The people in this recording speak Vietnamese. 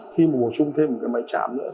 khi mà bổ trung thêm một cái máy chạm nữa